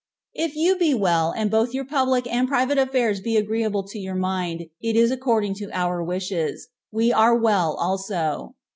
If you be well, and both your public and private affairs be agreeable to your mind, it is according to our wishes. We are well also.